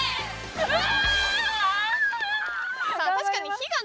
うわ！